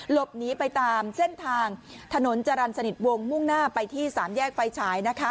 หลบหนีไปตามเส้นทางถนนจรรย์สนิทวงมุ่งหน้าไปที่สามแยกไฟฉาย